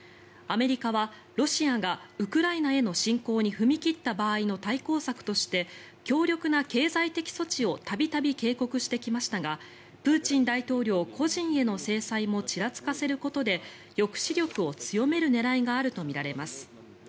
アメリカはロシアがウクライナへの侵攻に踏み切った場合の対抗策として強力な経済的措置を度々警告してきましたがプーチン大統領個人への制裁もちらつかせることで抑止力を強める狙いがあるとみられます。